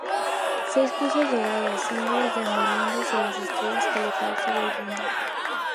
Seis cruces doradas, símbolos amerindios de las estrellas, colocadas sobre el blindaje.